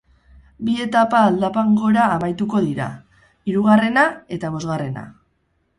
Bi etapa aldapan gora amaituko dira, hirugarrena eta bosgarrena.